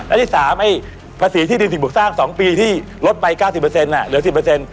อันที่สามภาษีที่ได้สิ่งบุคสร้างสองปีที่ลดไป๙๐อะเดี๋ยว๑๐